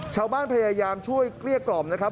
ชาวบ้านพยายามช่วยเกลี้ยกล่อมนะครับ